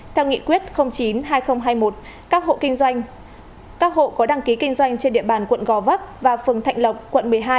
theo nghị quyết chín hai nghìn hai mươi một các hộ kinh doanh các hộ có đăng ký kinh doanh trên địa bàn quận gò vấp và phường thạnh lộc quận một mươi hai